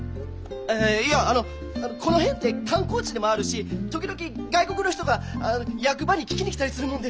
いやあのこの辺って観光地でもあるし時々外国の人が役場に聞きに来たりするもんでいろいろと。